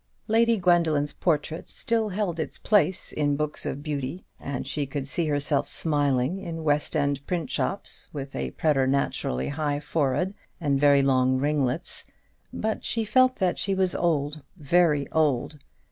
Lady Gwendoline's portrait still held its place in books of beauty, and she could see herself smiling in West end printshops, with a preternaturally high forehead, and very long ringlets; but she felt that she was old very old.